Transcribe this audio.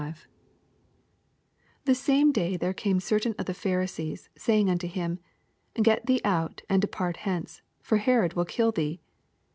81 The same day there came certain of the Pharisees, saying unto him, Get thee out, ana depart henoe : for Herod will kill thee.